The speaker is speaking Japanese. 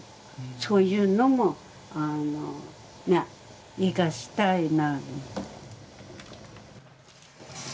そういうのも生かしたいな。